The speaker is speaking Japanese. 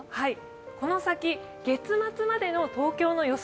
この先、月末までの東京の予想